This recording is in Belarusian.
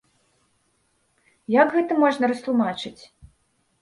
Як гэта можна растлумачыць?